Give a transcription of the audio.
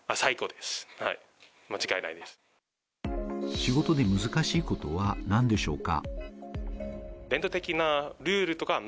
仕事で難しいことは何でしょうか？